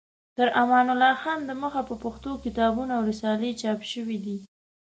تر امان الله خان د مخه په پښتو کتابونه او رسالې چاپ شوې دي.